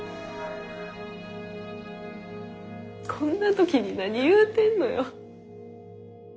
こんな時に何言うてんのよ。